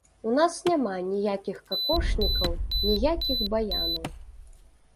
У нас няма ніякіх какошнікаў, ніякіх баянаў.